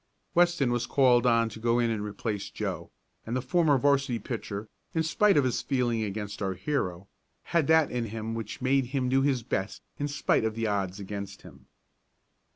Weston was called on to go in and replace Joe, and the former 'varsity pitcher, in spite of his feeling against our hero, had that in him which made him do his best in spite of the odds against him.